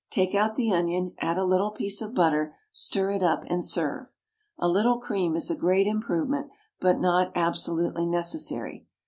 Take out the onion, add a little piece of butter, stir it up, and serve. A little cream is a great improvement, but is not absolutely necessary.